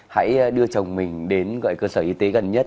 hãy đưa chồng mình đến gọi cơ sở y tế gần nhất